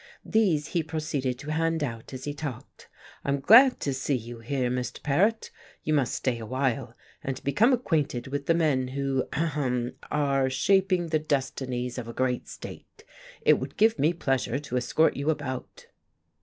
These he proceeded to hand out as he talked. "I'm glad to see you here, Mr. Paret. You must stay awhile, and become acquainted with the men who ahem are shaping the destinies of a great state. It would give me pleasure to escort you about."